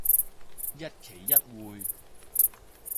一期一會